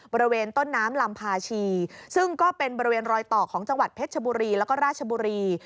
บริเวณต้นน้ำลำพาชีซึ่งก็เป็นบริเวณรอยต่อของจังหวัดเพชรชบุรีแล้วก็ราชบุรี